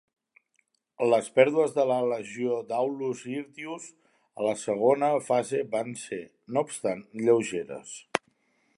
Les pèrdues de la legió d'Aulus Hirtius a la segona fase van ser, no obstant, lleugeres.